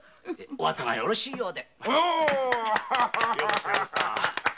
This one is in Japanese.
お後がよろしいようで。